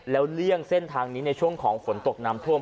แล้วเลี่ยงเส้นทางนี้ในช่วงของฝนตกน้ำท่วม